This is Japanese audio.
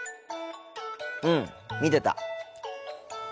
うん見てた。